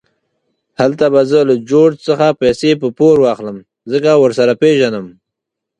هلته به زه له جورج څخه پیسې په پور واخلم، ځکه ورسره پېژنم.